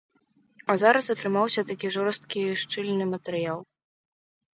А зараз атрымаўся такі жорсткі шчыльны матэрыял.